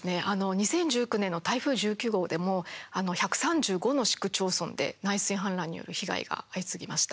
２０１９年の台風１９号でも１３５の市区町村で内水氾濫による被害が相次ぎました。